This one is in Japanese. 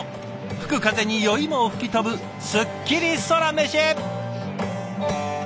吹く風に酔いも吹き飛ぶすっきりソラメシ！